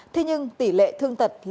thế nhưng tỷ lệ thương tật là bốn mươi bảy